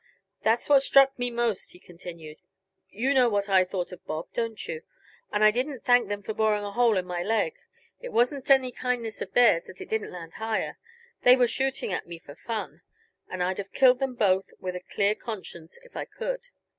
"That's what struck me most," he continued. "You know what I thought of Bob, don't you? And I didn't thank them for boring a hole in my leg; it wasn't any kindness of theirs that it didn't land higher they weren't shooting at me for fun. And I'd have killed them both with a clear conscience, if I could.